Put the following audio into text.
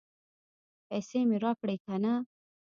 پیسې مې راکړې که نه؟